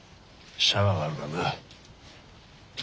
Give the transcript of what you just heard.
シャワーがあるからな。